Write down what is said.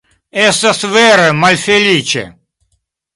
Estas vere malfeliĉe.